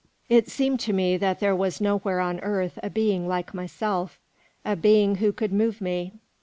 It seemed to me that there was nowhere on earth a being like myself, a being who could move me.